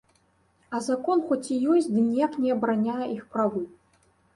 А закон хоць і ёсць, ды ніяк не абараняе іх правы.